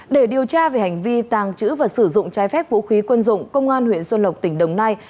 để điều tra về hành vi tàng trữ và sử dụng trái phép vũ khí quân dụng công an huyện xuân lộc tỉnh đồng nai